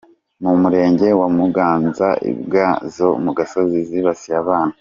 Mu murenge wa Muganza imbwa zo mu gasozi zibasiye abana